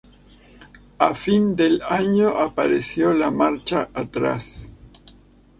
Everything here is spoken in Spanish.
A fin del año apareció la marcha atrás.